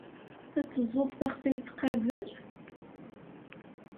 Ad teẓẓuḍ taxsayt qabel?